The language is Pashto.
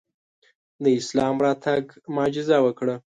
د اسلام راتګ معجزه وکړه.